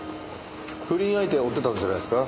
不倫相手を追ってたんじゃないんですか？